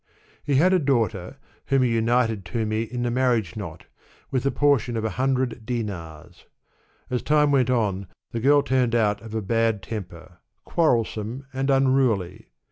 He had a daugh ter, whom he united to me in the marriage knot, with a portion of a hundred dinars. As time went on, the girl turned out of a bad temper, quarrelsome and unruly.